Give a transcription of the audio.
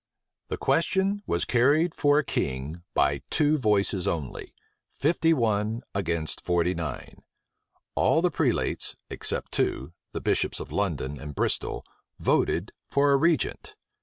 The question was carried for a king by two voices only, fifty one against forty nine. All the prelates, except two, the bishops of London and Bristol, voted for a regent.